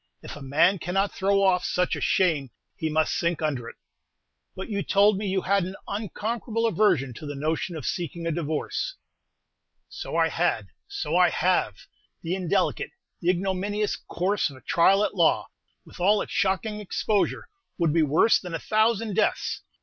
If a man cannot throw off such a shame, he must sink under it." "But you told me you had an unconquerable aversion to the notion of seeking a divorce." "So I had; so I have! The indelicate, the ignominious course of a trial at law, with all its shocking exposure, would be worse than a thousand deaths!